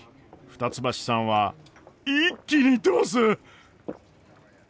二ツ橋さんは一気にいってます！